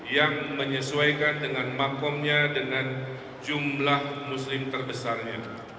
yang menyesuaikan dengan makomnya dengan jumlah muslim terbesarnya